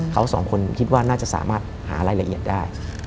เขาสองคนคิดว่าน่าจะสามารถหารายละเอียดได้